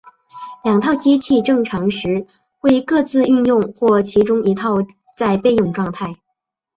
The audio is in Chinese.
两套机器正常时会各自运作或其中一套在备用状态。